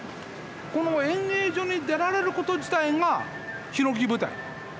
この演芸場に出られること自体がひのき舞台。